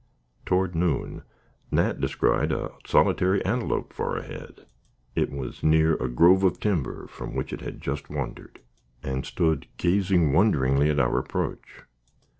Toward noon, Nat descried a solitary antelope far ahead. It was near a grove of timber, from which it had just wandered, and stood gazing wonderingly at our approach.